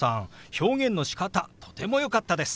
表現のしかたとてもよかったです！